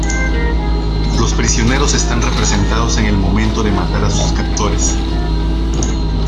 Los prisioneros están representados en el momento de matar a sus captores.